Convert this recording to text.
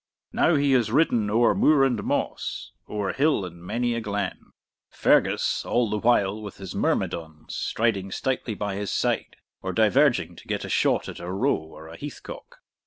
Now he has ridden o'er moor and moss, O'er hill and many a glen, Fergus, all the while, with his myrmidons, striding stoutly by his side, or diverging to get a shot at a roe or a heath cock.